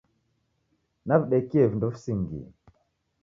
Nawidekie vindo visingie